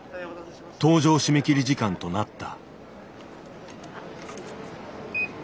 搭乗締め切り時間となった。